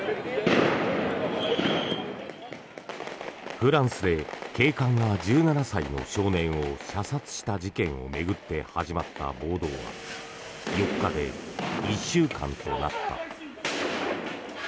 フランスで警官が１７歳の少年を射殺した事件を巡って始まった暴動が４日で１週間となった。